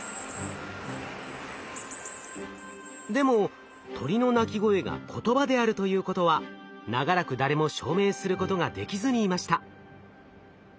でも鳥の鳴き声が言葉であるということは長らく誰も証明することができずにいました。